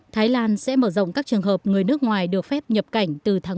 thái lan sẽ mở rộng các trường hợp người nước ngoài được phép nhập cảnh từ tháng một mươi